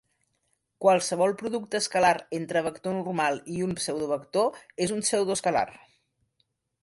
Qualsevol producte escalar entre vector normal i un pseudovector és un pseudoescalar.